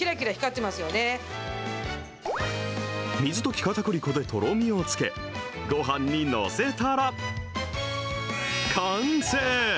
水溶きかたくり粉でとろみをつけ、ごはんに載せたら完成。